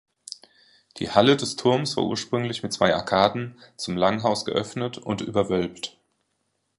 Die Halle des Turms war ursprünglich mit zwei Arkaden zum Langhaus geöffnet und überwölbt.